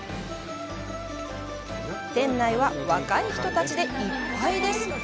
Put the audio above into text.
店内は、若い人たちでいっぱいです。